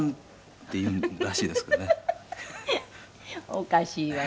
おかしいわね。